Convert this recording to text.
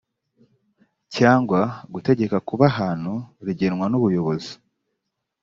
cyangwa gutegeka kuba ahantu rigenwa n’ubuyobozi